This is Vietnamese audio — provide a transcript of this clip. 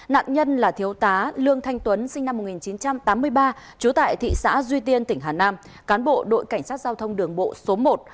nạn nhân là thiếu tá lương thanh tuấn sinh năm một nghìn chín trăm tám mươi ba trú tại thị xã duy tiên tỉnh hà nam cán bộ đội cảnh sát giao thông đường bộ số một